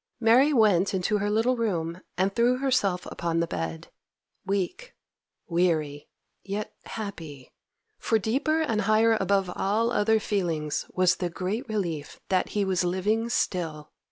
Mary went into her little room, and threw herself upon the bed, weak, weary, yet happy; for deeper and higher above all other feelings was the great relief that he was living still.